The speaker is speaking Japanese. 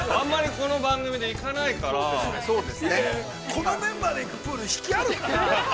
◆このメンバーで行くプール、引きあるかなあ。